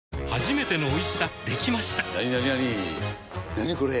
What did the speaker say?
なにこれ！